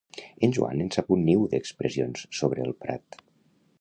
En Joan en sap un niu d'expressions sobre el Prat.